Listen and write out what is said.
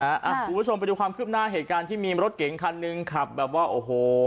คุณผู้ชมไปดูความคืบหน้าเหตุการณ์ที่มีรถเก๋งคันหนึ่งขับแบบว่าโอ้โห